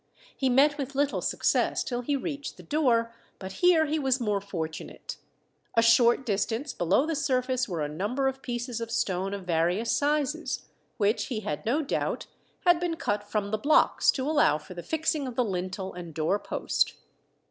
He met with little success till he reached the door, but here he was more fortunate. A short distance below the surface were a number of pieces of stone of various sizes, which, he had no doubt, had been cut from the blocks to allow for the fixing of the lintel and doorpost.